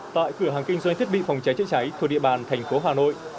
tại cửa hàng kinh doanh thiết bị phòng cháy chữa cháy thuộc địa bàn thành phố hà nội